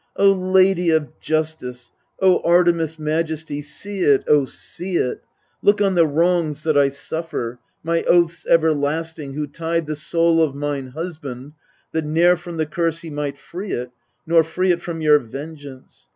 O Lady of Justice, O Artemis' Majesty, see it, O see it Look on the wrongs that I suffer, my oaths everlasting who tied The soul of mine husband, that ne'er from the curse he might free it, nor free it From your vengeance